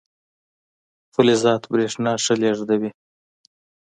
فلزات برېښنا ښه لیږدوي.